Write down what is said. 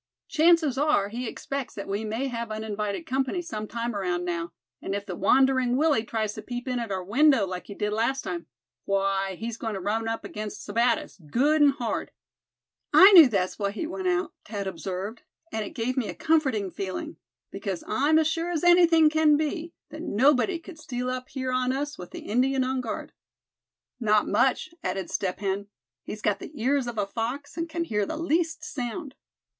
Chances are he expects that we may have uninvited company some time around now; and if the Wandering Willy tries to peep in at our window like he did last time, why, he's goin' to run up against Sebattis, good and hard." "I knew that was why he went out," Thad observed, "and it gave me a comforting feeling; because I'm as sure as anything can be, that nobody could steal up here on us with the Indian on guard." "Not much," added Step Hen. "He's got the ears of a fox, and can hear the least sound."